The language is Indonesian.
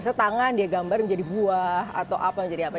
misalnya tangan dia gambar menjadi buah atau apa menjadi apa